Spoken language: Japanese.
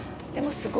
すごい！